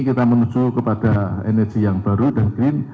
kita menuju kepada energi yang baru dan green